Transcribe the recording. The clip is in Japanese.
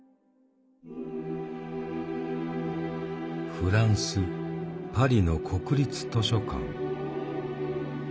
フランス・パリの国立図書館。